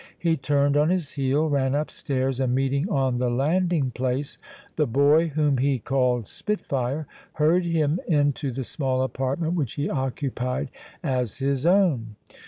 He turned on his heel, ran up stairs, and meeting on the landing place the boy whom he called Spitfire, hurried him into the small apartment which he occupied as his own.